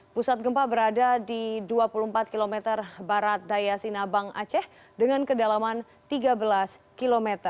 pusat gempa berada di dua puluh empat km barat daya sinabang aceh dengan kedalaman tiga belas km